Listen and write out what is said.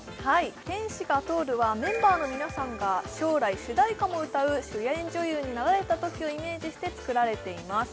「天使が通る」はメンバーの皆さんが将来主題歌も歌う主演女優になられたときをイメージして作られています